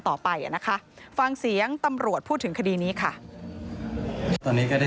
ต่อไปนะคะฟังเสียงตำรวจพูดถึงคดีนี้ค่ะ